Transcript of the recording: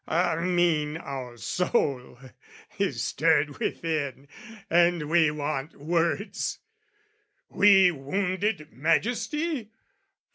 I mean, our soul is stirred within, And we want words. We wounded Majesty?